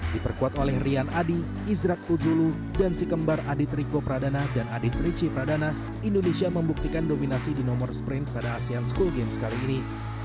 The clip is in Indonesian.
diperkuat oleh rian adi izrak uzulu dan si kembar adit riko pradana dan adit rici pradana indonesia membuktikan dominasi di nomor sprint pada asean school games kali ini